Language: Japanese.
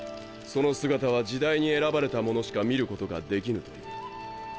その姿は時代に選ばれた者しか見ることができぬという。